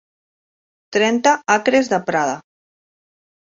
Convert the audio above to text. Trenta acres de prada.